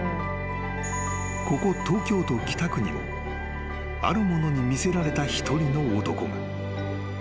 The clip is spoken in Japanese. ［ここ東京都北区にもあるものに魅せられた一人の男が］